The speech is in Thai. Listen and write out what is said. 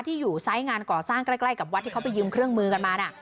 ที่อยู่ไซส์งานก่อสร้างใกล้กับวัดที่เขาไปยืมเครื่องมือกันมานะ